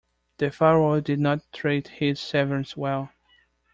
The pharaoh did not treat his servants well.